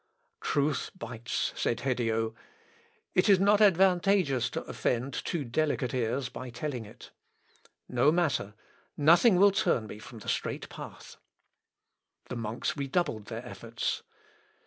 "Truth bites," said Hedio: "it is not advantageous to offend too delicate ears by telling it. No matter, nothing will turn me from the straight path." The monks redoubled their efforts.